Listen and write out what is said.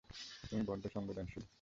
তুমি বড্ড সংবেদনশীল।